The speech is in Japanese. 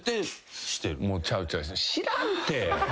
知らんて！